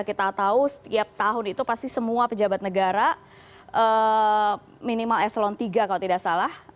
kita tahu setiap tahun itu pasti semua pejabat negara minimal eselon tiga kalau tidak salah